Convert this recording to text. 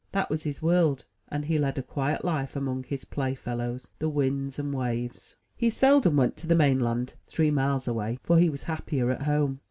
That was his world; and he led a quiet Hfe among his playfellows, — ^the winds and waves. He seldom went to the main land, three miles away; for he was happier at home.